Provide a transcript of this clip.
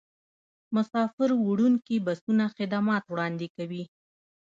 مسافروړونکي بسونه خدمات وړاندې کوي